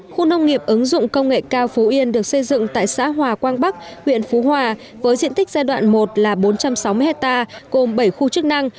khu nông nghiệp ứng dụng công nghệ cao phú yên được xây dựng tại xã hòa quang bắc huyện phú hòa với diện tích giai đoạn một là bốn trăm sáu mươi hectare gồm bảy khu chức năng